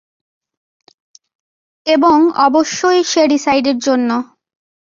এবং অবশ্যই শ্যাডিসাইডের জন্য।